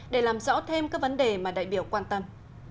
để làm rõ thêm các vấn đề mà đại biểu quan tâm